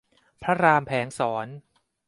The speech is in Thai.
พระรามแผลงศร